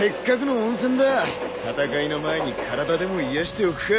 戦いの前に体でも癒やしておくか。